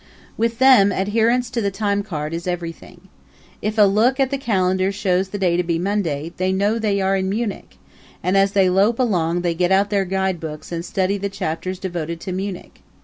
With them adherence to the time card is everything. If a look at the calendar shows the day to be Monday, they know they are in Munich, and as they lope along they get out their guidebooks and study the chapters devoted to Munich.